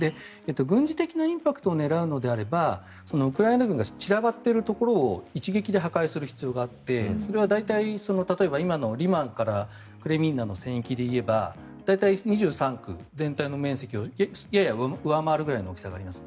軍事的なインパクトを狙うのであればウクライナ軍が散らばっているところを一撃で破壊する必要があってそれは大体、今のリマンからクレミンナの戦域でいえば２３区全体の面積をやや上回るぐらいの大きさがあります。